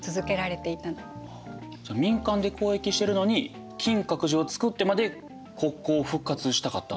民間で交易してるのに金閣寺を造ってまで国交を復活したかった。